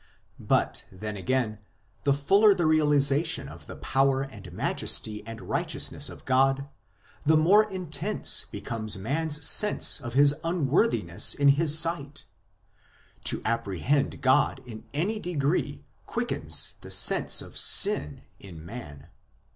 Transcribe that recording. But then, again, the fuller the realization of the power and majesty and righteousness of God, the more intense becomes man s sense of his unworthiness in His sight ; to apprehend God in any degree quickens the sense of sin in man.